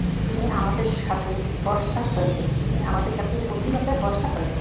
তুমি আমাদের সাথে বচসা করেছ—তুমি আমাদের সাথে অতিমাত্রায় বচসা করছ।